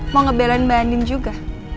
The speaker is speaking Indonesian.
mau ngebelain mbak andin juga